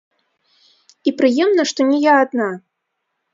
І прыемна, што не я адна.